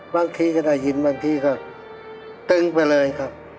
บางทีก็ได้ยินบางทีก็ตึงไปเลยครับ